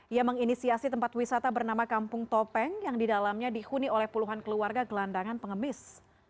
ia menginisiasi tempat wisata bernama kampung topeng yang di dalamnya dihuni oleh puluhan keluarga gelandangan pengemis